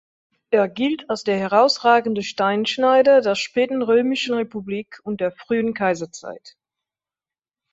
Er gilt als der herausragende Steinschneider der späten Römischen Republik und der frühen Kaiserzeit.